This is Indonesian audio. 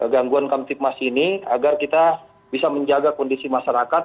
gangguan kamtipmas ini agar kita bisa menjaga kondisi masyarakat